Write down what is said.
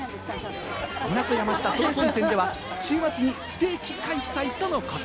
港山下総本店では週末に不定期開催とのこと。